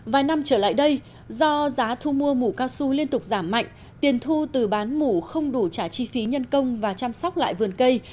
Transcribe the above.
vài năm trở lại đây do giá thu mua mũ cao su liên tục giảm mạnh tiền thu từ bán mũ không đủ trả chi phí nhân công và chăm sóc lại vườn cây